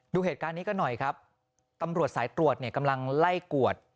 ดูเหตุการณ์นี้ก็หน่อยครับตำรวจสายตรวจเนี่ยกำลังไล่กวด